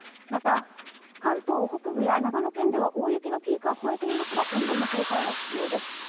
また関東北部や長野県では大雪のピークは超えていますが今後も警戒が必要です